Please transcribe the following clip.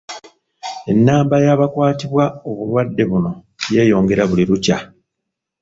Ennamba y’abakwatibwa obulwadde buno yeeyongera buli lukya.